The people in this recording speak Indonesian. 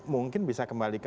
mungkin bisa kembali ke